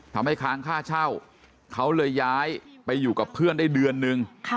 ค้างค่าเช่าเขาเลยย้ายไปอยู่กับเพื่อนได้เดือนนึง